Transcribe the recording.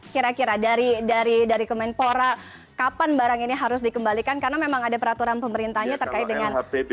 kira kira dari kemenpora kapan barang ini harus dikembalikan karena memang ada peraturan pemerintahnya terkait dengan